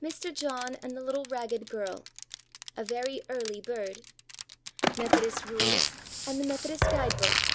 Mr. John and the little ragged girl. A very early bird. Methodist rules, and the Methodist guide book.